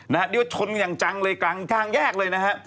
นี่ว่าชนอย่างจังเลยกลางแยกเลยนะฮะ